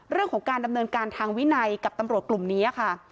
เรื่องของการดำเนินการทางวินัยกับตำรวจกลุ่มนี้ค่ะ